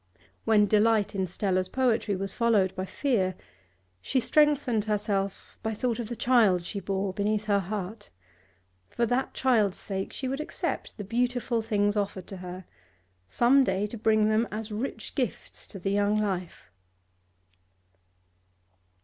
When delight in Stella's poetry was followed by fear, she strengthened herself by thought of the child she bore beneath her heart; for that child's sake she would accept the beautiful things offered to her, some day to bring them, as rich gifts to the young life.